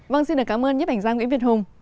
vâng xin cảm ơn nhất ảnh giang nguyễn việt hùng